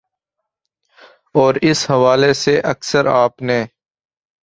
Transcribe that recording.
اور اس حوالے سے اکثر آپ نے